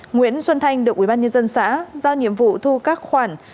nguyễn xuân thanh được ubnd xã giao nhiệm vụ thu các khoản